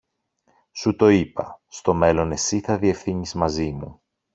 Σου το είπα, στο μέλλον εσύ θα διευθύνεις μαζί μου.